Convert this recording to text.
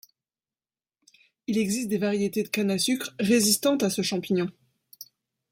Il existe des variétés de canne à sucre résistantes à ce champignon.